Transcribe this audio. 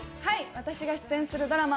私が出演するドラマ